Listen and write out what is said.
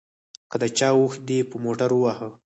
که د چا اوښ دې په موټر ووهه.